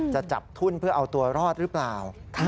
จะจับทุ่นเพื่อเอาตัวรอดหรือเปล่า